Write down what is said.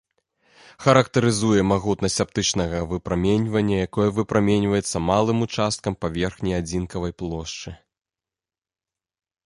Характарызуе магутнасць аптычнага выпраменьвання, якое выпраменьваецца малым участкам паверхні адзінкавай плошчы.